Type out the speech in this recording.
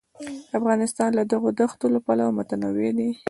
افغانستان له دغو دښتو پلوه متنوع دی.